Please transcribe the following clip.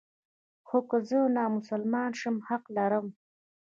خو که زه نامسلمان شم حق لرم.